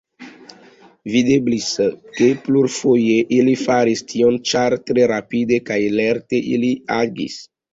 Videblis, ke plurfoje ili faris tion, ĉar tre rapide kaj lerte ili agis.